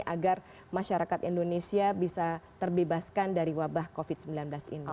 agar masyarakat indonesia bisa terbebaskan dari wabah covid sembilan belas ini